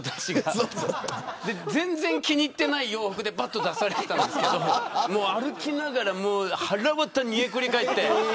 全然気に入っていない洋服で出されたので歩きながらはらわたが煮えくり返って。